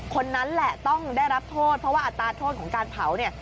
คนนั้นแหละต้องได้รับโทษเพราะว่าอัตราโทษของการเผาเนี่ย